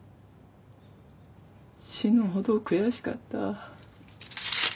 死ぬほど悔しかった。